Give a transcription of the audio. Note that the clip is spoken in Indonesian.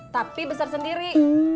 tapi besar sendiri